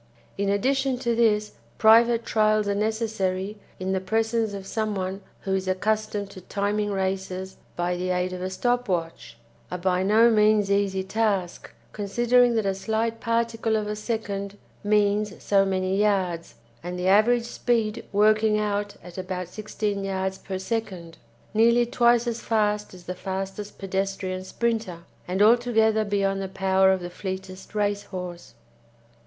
In addition to this private trials are necessary in the presence of someone who is accustomed to timing races by the aid of a stop watch a by no means easy task, considering that a slight particle of a second means so many yards, and the average speed working out at about 16 yards per second nearly twice as fast as the fastest pedestrian sprinter, and altogether beyond the power of the fleetest race horse.